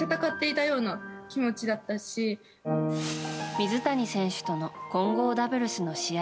水谷選手との混合ダブルスの試合